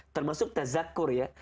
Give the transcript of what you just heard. termasuk tazakur ya